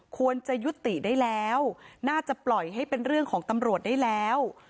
ควรจะยุติได้แล้วน่าจะปล่อยให้เป็นเรื่องของตำรวจได้แล้ว